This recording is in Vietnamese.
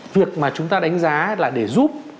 việc mà chúng ta đánh giá là để giúp